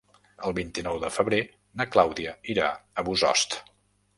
El vint-i-nou de febrer na Clàudia irà a Bossòst.